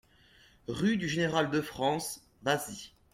Rue du Général Defrance, Wassy